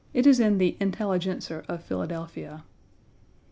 It is in the Intelligencer of Philadelphia.